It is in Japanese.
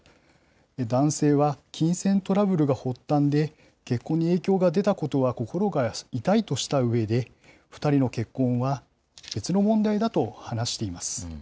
男性は、金銭トラブルが発端で、結婚に影響が出たことは心が痛いとしたうえで、２人の結婚は、別の問題だと話しています。